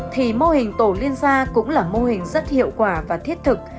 thì mô hình tổ liên gia cũng là mô hình rất hiệu quả và thiết thực